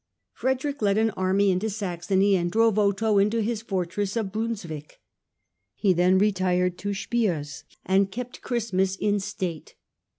Frederick led an army into Saxony and drove Otho into his fortress of Bruns wick. He then retired to Spiers and kept Christmas in state.